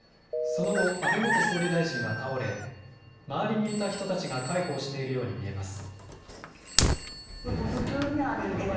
その後、安倍元総理大臣は倒れ周りにいた人たちが介抱しているように見えます。